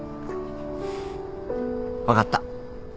分かった。